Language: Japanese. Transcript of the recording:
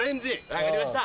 分かりました。